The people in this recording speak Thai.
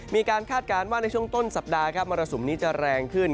คาดการณ์ว่าในช่วงต้นสัปดาห์ครับมรสุมนี้จะแรงขึ้น